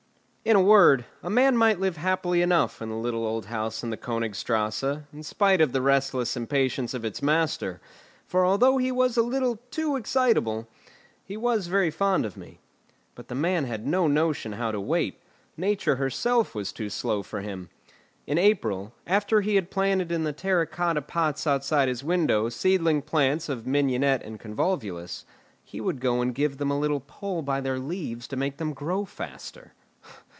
In a word, a man might live happily enough in the little old house in the Königstrasse, in spite of the restless impatience of its master, for although he was a little too excitable he was very fond of me. But the man had no notion how to wait; nature herself was too slow for him. In April, after he had planted in the terra cotta pots outside his window seedling plants of mignonette and convolvulus, he would go and give them a little pull by their leaves to make them grow faster.